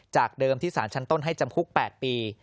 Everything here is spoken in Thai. จากเดิมที่สารชั้นต้นให้จำคุก๘ปี